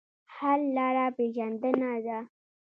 حل لاره پېژندنه ده.